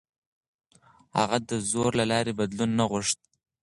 هغه د زور له لارې بدلون نه غوښت.